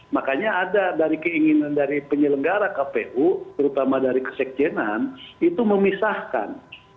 makanya ada dari keinginan dari penyelenggara kpu terutama dari kesekjenan itu memisahkan